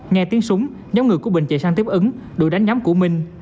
nghe tiếng súng nhóm người của bình chạy sang tiếp ứng đuổi đánh nhóm của minh